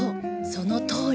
そのとおり。